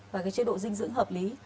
và cái chế độ dinh dưỡng hợp lý